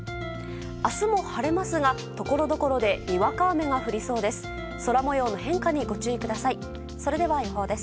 明日も晴れますがところどころでにわか雨が降りそうです。